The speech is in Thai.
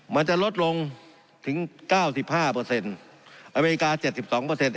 มันจะลดลงถึงเก้าสิบห้าเปอร์เซ็นต์อเมริกาเจ็ดสิบสองเปอร์เซ็นต์